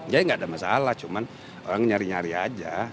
jadi gak ada masalah cuma orang nyari nyari aja